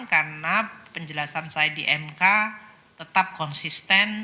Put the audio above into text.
karena penjelasan saya di mk tetap konsisten